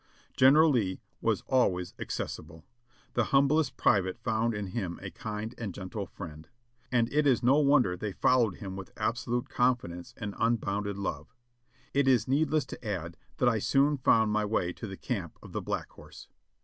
General Lee was always accessible. The humblest private found in him a kind and gentle friend ; and it is no wonder they followed him with absolute confidence and unbounded love. It is needless to add that I soon found my way to the camp of the Black Horse.